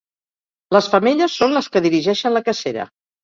Les femelles són les que dirigeixen la cacera.